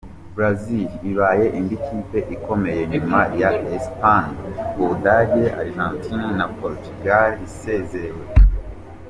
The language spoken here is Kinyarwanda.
Brazil ibaye indi kipe ikomeye nyuma ya Espagne, u Budage, Argentine, na Portugal isezerewe.